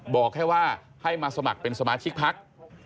บอกแค่ว่าให้มาสมัครเป็นสมาชิกพัก